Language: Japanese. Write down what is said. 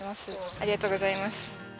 ありがとうございます。